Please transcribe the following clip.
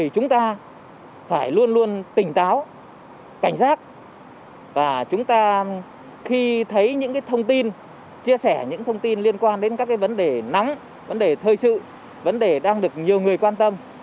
chúng ta phải luôn luôn tỉnh táo cảnh giác và chúng ta khi thấy những thông tin chia sẻ những thông tin liên quan đến các vấn đề nóng vấn đề thời sự vấn đề đang được nhiều người quan tâm